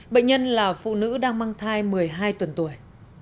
bệnh nhân là phụ nữ đang mang thai một mươi hai tuần tuổi